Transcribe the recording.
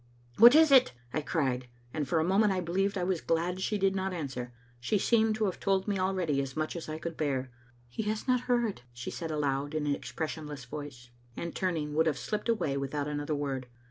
"What is it?" I cried, and for a moment I believe I was glad she did not answer. She seemed to have told me already as much as I could bear. " He has not heard, " she said aloud in an expression less voice, and, turning, would have slipped away with out another word.